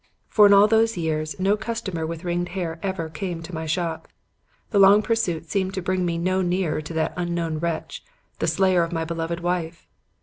For in all those years no customer with ringed hair ever came to my shop. The long pursuit seemed to bring me no nearer to that unknown wretch, the slayer of my beloved wife.